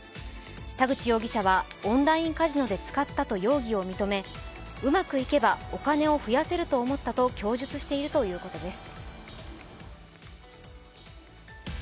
田口容疑者は、オンラインカジノで使ったと容疑を認めうまくいけば、お金を増やせると思ったと供述しているということです。